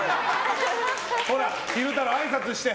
ほら、昼太郎、あいさつして。